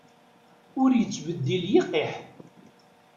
Ur yettbeddil yiqiḥ.